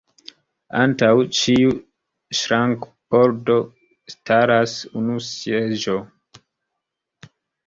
Antaŭ ĉiu ŝrankpordo staras unu seĝo.